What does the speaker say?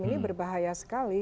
ini berbahaya sekali